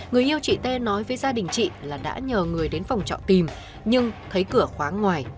người yêu chị tê nói với gia đình chị là đã nhờ người đến phòng trọ tìm nhưng thấy cửa khóa ngoài